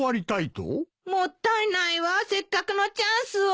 もったいないわせっかくのチャンスを。